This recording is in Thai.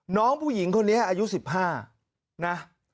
น้องผู้หญิงคนนี้อายุ๑๕นะ